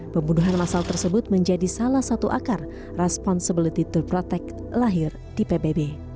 pembunuhan masal tersebut menjadi salah satu akar responsibility to protect lahir di pbb